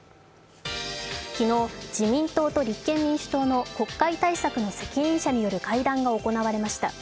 昨日、自民党と立憲民主党の国会対策の責任者による会談が行われました。